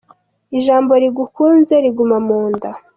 Ijambo rigukunze riguma mu nda.